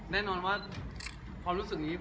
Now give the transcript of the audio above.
แน่นอนว่าความรู้สึกนี้